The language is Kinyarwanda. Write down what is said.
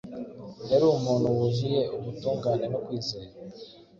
yari umuntu wuzuye ubutungane no kwizera.